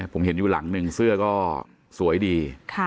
ผมเห็นอยู่หลังหนึ่งเสื้อก็สวยดี